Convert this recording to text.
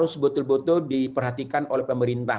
harus betul betul diperhatikan oleh pemerintah